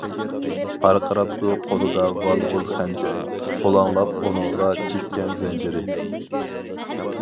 پارقىراپتۇ قولىدا ۋال-ۋۇل خەنجىرى، پۇلاڭلاپ ئۇنىڭغا چىگكەن زەنجىرى.